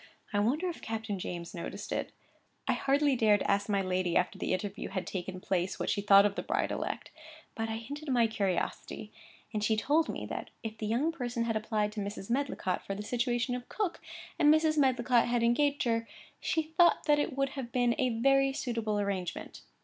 I wonder if Captain James noticed it. I hardly dared ask my lady, after the interview had taken place, what she thought of the bride elect; but I hinted my curiosity, and she told me, that if the young person had applied to Mrs. Medlicott, for the situation of cook, and Mrs. Medlicott had engaged her, she thought that it would have been a very suitable arrangement.